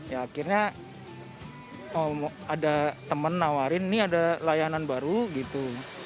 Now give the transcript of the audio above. ya akhirnya ada temen nawarin ini ada layanan baru gitu